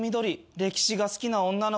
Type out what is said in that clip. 歴史が好きな女の子。